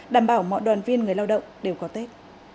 đảm bảo mọi đoàn viên người lao động đều có tết